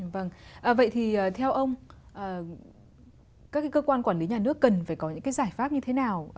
vâng vậy thì theo ông các cơ quan quản lý nhà nước cần phải có những cái giải pháp như thế nào